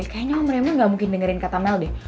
kayaknya om remo gak mungkin dengerin kata mel deh